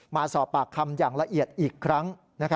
มาสอบปากคำอย่างละเอียดอีกครั้ง